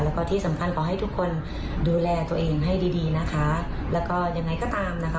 แล้วก็ที่สำคัญขอให้ทุกคนดูแลตัวเองให้ดีดีนะคะแล้วก็ยังไงก็ตามนะคะ